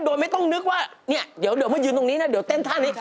โดยไม่ต้องนึกว่าเนี่ยเดี๋ยวมายืนตรงนี้นะเดี๋ยวเต้นท่านี้